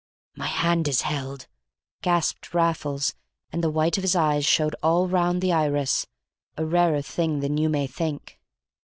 "My hand's held!" gasped Raffles, and the white of his eyes showed all round the iris, a rarer thing than you may think.